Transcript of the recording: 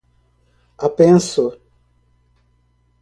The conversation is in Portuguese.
apenso